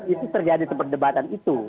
itu terjadi sebuah debatan itu